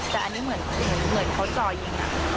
แต่อันนี้เหมือนเขาจ่อยิง